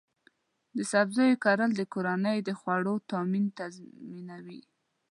د سبزیو کرل د کورنۍ د خوړو تامین تضمینوي.